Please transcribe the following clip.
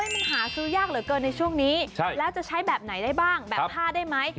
มันหาซื้อยากเหลือเกินในช่วงนี้แล้วจะใช้แบบไหนได้บ้างแบบผ้าได้ไหม